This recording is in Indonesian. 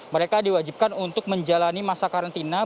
mereka diwajibkan untuk menjalani masa karantina